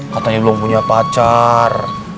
katanya belum punya pacar